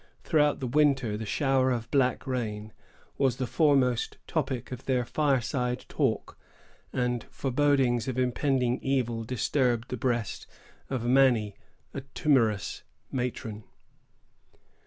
Throughout the winter, the shower of black rain was the foremost topic of their fireside talk; and forebodings of impending evil disturbed the breast of many a timorous matron.